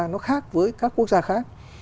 nó khác với các quốc gia khác